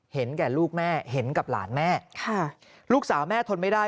เห็นแก่ลูกแม่เห็นกับหลานแม่ค่ะลูกสาวแม่ทนไม่ได้